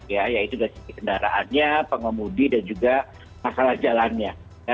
ya yaitu dari sisi kendaraannya pengemudi dan juga masalah jalannya